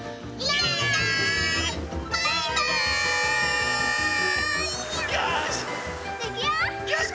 よし！